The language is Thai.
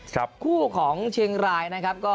คู่ของเชียงรายนะครับ